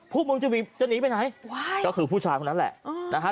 พวกมึงจะหนีไปไหนก็คือผู้ชายคนนั้นแหละนะฮะ